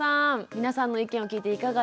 皆さんの意見を聞いていかがですか？